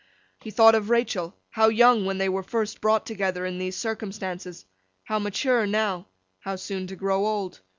He thought of Rachael, how young when they were first brought together in these circumstances, how mature now, how soon to grow old.